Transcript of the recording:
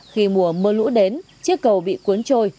khi mùa mưa lũ đến chiếc cầu bị cuốn trôi